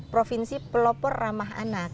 provinsi pelopor ramah anak